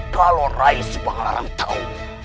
kalau rais banglarang tahu